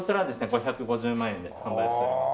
５５０万円で販売しております。